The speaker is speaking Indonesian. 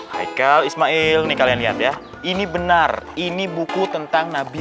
haikal ismail nih kalian lihat ya ini benar ini buku tentang nabi